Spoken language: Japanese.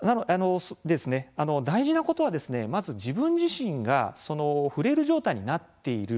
大事なことは、まず自分自身がフレイル状態になっている。